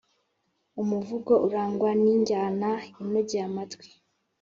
Umuvugo urangwa n’injyana inogeye amatwi.